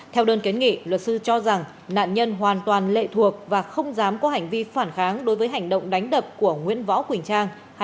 theo đơn kiến nghị luật sư cho rằng nạn nhân hoàn toàn lệ thuộc và không dám có hành vi phản kháng đối với hành động đánh đập của nguyễn võ quỳnh trang